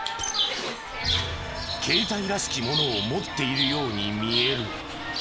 携帯らしきものを持っているように見える。